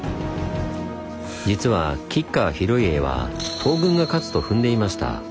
実は吉川広家は東軍が勝つとふんでいました。